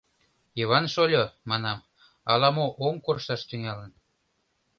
— Йыван шольо, — манам, — ала-мо оҥ коршташ тӱҥалын.